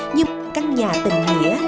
như một căn nhà tình nghĩa